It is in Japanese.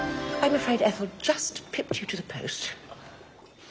はい。